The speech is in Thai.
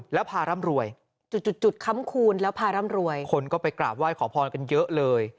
แล้วพาร่ำรวยจุดจุดค้ำคูณแล้วพาร่ำรวยคนก็ไปกราบไหว้ขอพรกันเยอะเลย